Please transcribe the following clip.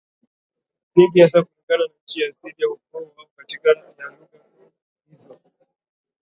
nyingi hasa kulingana na nchi ya asili ya ukoo wao Kati ya lugha hizo